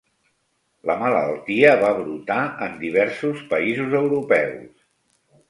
La malaltia va brotar en diversos països europeus.